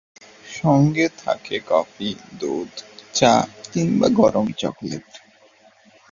সংগে থাকে কফি, দুধ, চা কিংবা গরম চকলেট।